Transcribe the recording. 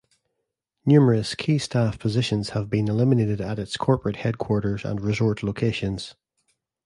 Numerous key staff positions have been eliminated at its corporate headquarters and resort locations.